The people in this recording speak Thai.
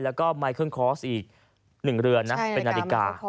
แล้วก็ไมเครื่องคอร์สอีก๑เหรือนเป็นนาฬิกา